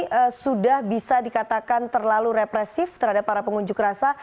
ini sudah bisa dikatakan terlalu represif terhadap para pengunjuk rasa